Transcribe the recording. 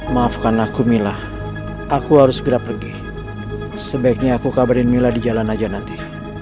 maafkan aku mila aku harus segera pergi sebaiknya aku kabarin mila di jalan aja nanti